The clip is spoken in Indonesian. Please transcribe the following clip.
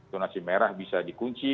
jonasi merah bisa dikunci